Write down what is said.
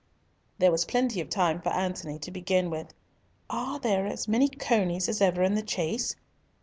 There was plenty of time for Antony to begin with, "Are there as many conies as ever in the chase?"